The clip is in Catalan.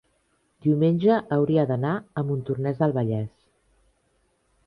diumenge hauria d'anar a Montornès del Vallès.